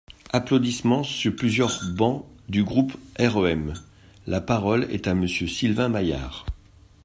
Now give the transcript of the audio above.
(Applaudissements sur plusieurs bancs du groupe REM.) La parole est à Monsieur Sylvain Maillard.